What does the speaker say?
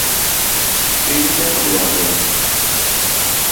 Piny tek jowadwa